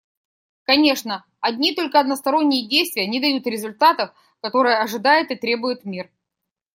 Конечно, одни только односторонние действия не дают результатов, которых ожидает и требует мир.